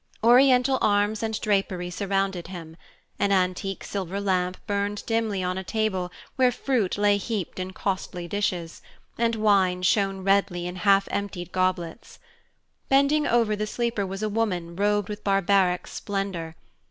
Oriental arms and drapery surrounded him; an antique silver lamp burned dimly on a table where fruit lay heaped in costly dishes, and wine shone redly in half emptied goblets. Bending over the sleeper was a woman robed with barbaric splendor.